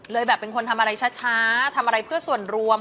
แบบเป็นคนทำอะไรช้าทำอะไรเพื่อส่วนรวม